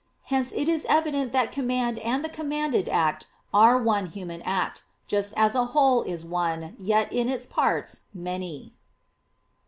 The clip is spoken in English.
Hence it is evident that command and the commanded act are one human act, just as a whole is one, yet in its parts, many.